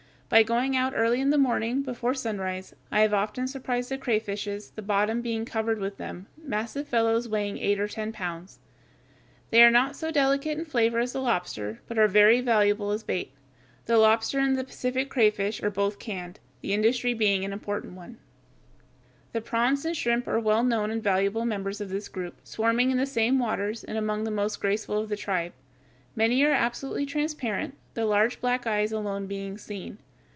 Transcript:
By going out early in the morning, before sunrise, I have often surprised the crayfishes, the bottom being covered with them, massive fellows weighing eight or ten pounds. They are not so delicate in flavor as the lobster, but are very valuable as bait. The lobster and the Pacific crayfish are both canned, the industry being an important one. [Illustration: FIG. 145. Crayfish or spiny lobster.] The prawns (Fig. 146) and shrimps are well known and valuable members of this group, swarming in the same waters, and among the most graceful of the tribe. Many are absolutely transparent, the large black eyes alone being seen.